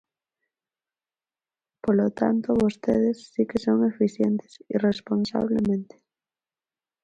Polo tanto, vostedes si que son eficientes irresponsablemente.